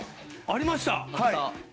ありました！